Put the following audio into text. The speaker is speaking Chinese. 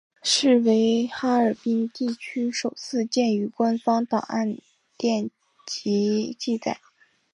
是为哈尔滨地区首次见于官方档案典籍记载。